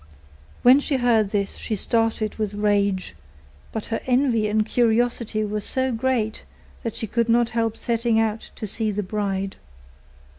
When she heard this she started with rage; but her envy and curiosity were so great, that she could not help setting out to see the bride.